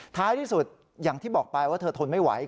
ท้ายที่สุดอย่างที่บอกไปว่าเธอทนไม่ไหว